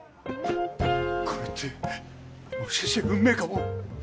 これってもしかして運命かも。